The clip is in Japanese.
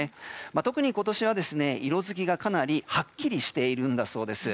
特に今年は色づきが、かなりはっきりしているそうです。